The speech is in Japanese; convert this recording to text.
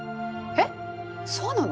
えっそうなの？